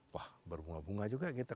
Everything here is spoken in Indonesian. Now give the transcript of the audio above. wah berbunga bunga juga kita